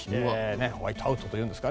ホワイトアウトというんですか。